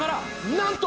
何と！